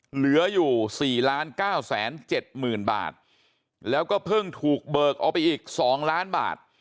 เหลืออยู่๔๙๗๐๐๐บาทแล้วก็เพิ่งถูกเบิกออกไปอีก๒ล้านบาท